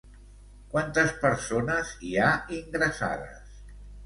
Quantes persones hi ha ingressades?